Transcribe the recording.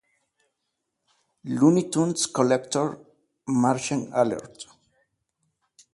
Looney Tunes Collector: Martian Alert!